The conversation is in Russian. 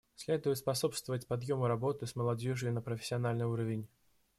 Следует способствовать подъему работы с молодежью на профессиональный уровень.